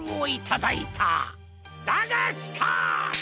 だがしかし！